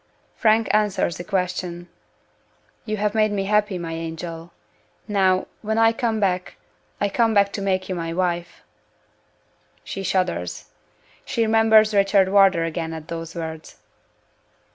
Frank answers the question. "You have made me happy, my angel. Now, when I come back, I come back to make you my wife." She shudders. She remembers Richard Wardour again at those words.